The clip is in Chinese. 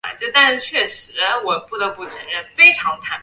滚奏能令金属片不停地撞击而产生连续的声响。